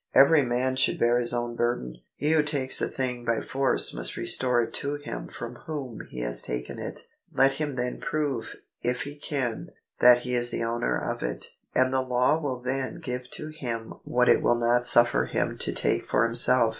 Every man should bear his own burden. He who takes a thing by force must restore it to him from whom he has taken it ; let him then prove, if he can, that he is the owner of it ; and the law will then give to him what it will not suffer him to take for himself.